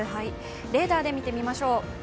レーダーで見てみましょう。